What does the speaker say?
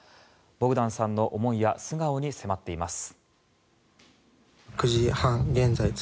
ボグダンさんの思いや素顔に迫っています。